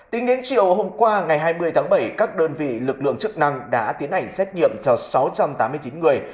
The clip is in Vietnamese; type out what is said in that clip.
tính đến chiều hôm qua ngày hai mươi tháng bảy các đơn vị lực lượng chức năng đã tiến hành xét nghiệm cho sáu trăm tám mươi chín người